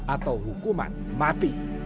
atau hukuman mati